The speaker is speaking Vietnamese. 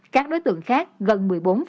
các đối tượng khác gần một mươi bốn